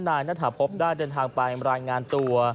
ณฐาพบได้เดินทางไปรายงานตัว